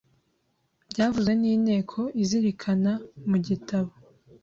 Byavuzwe n’Inteko izirikana mu gitabo